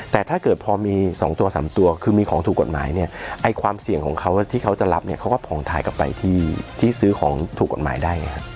แต่ถ้าเกิดพอมี๒ตัว๓ตัวคือมีของถูกกฎหมายเนี่ยไอ้ความเสี่ยงของเขาที่เขาจะรับเนี่ยเขาก็ผ่องถ่ายกลับไปที่ซื้อของถูกกฎหมายได้ไงฮะ